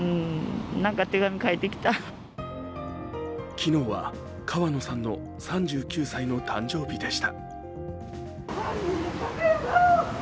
昨日は川野さんの３９歳の誕生日でした。